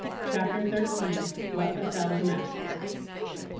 CHAPTER XIII. WHAT BEFELL THE MATCH BOY.